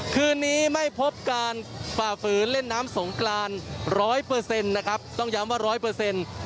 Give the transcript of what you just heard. คืนนี้ไม่พบการฝ่าฝืนเล่นน้ำสงกรานร้อยเปอร์เซ็นต์นะครับต้องย้ำว่าร้อยเปอร์เซ็นต์